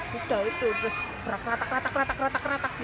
sudah itu terus berlatak latak latak latak latak latak